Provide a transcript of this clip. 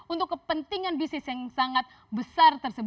untuk kepentingan bisnis yang sangat besar